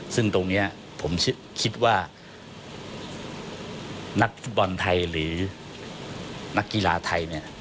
ซึ่งตรงนี้ผมคิดว่านักฟุตบอลไทยหรือนักกีฬาไทยเนี่ย